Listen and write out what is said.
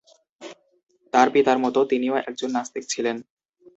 তার পিতার মত, তিনিও একজন নাস্তিক ছিলেন।